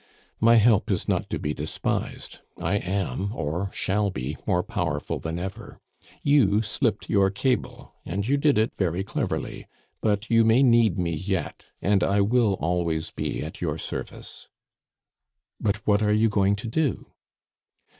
My help is not to be despised; I am, or shall be, more powerful than ever. You slipped your cable, and you did it very cleverly; but you may need me yet, and I will always be at your service. "But what are you going to do?"